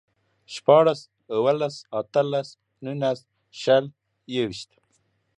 شپاړس، اووهلس، اتهلس، نولس، شل، يوويشت